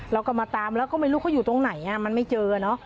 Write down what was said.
เราก็มาตามแล้วก็ไม่รู้เขาอยู่ตรงไหนมันไม่เจอเนอะ